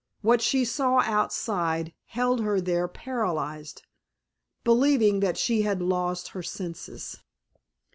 What she saw outside held her there paralyzed, believing that she had lost her senses.